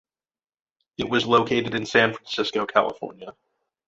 It was located in San Francisco, California.